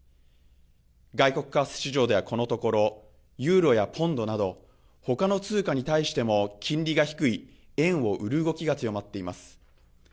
外国為替市場では、このところユーロやポンドなどほかの通貨に対しても金利が低い円を売る動きが強まっています。